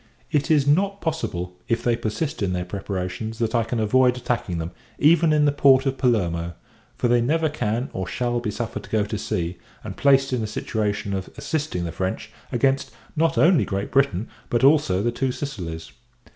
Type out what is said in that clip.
It is not possible, if they persist in their preparations, that I can avoid attacking them, even in the port of Palermo; for they never can, or shall, be suffered to go to sea, and placed in a situation of assisting the French, against not only Great Britain, but also the Two Sicilies.